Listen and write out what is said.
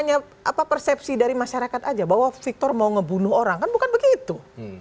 apa persepsi dari masyarakat saja bahwa victor mau membunuh orang kan bukan begitu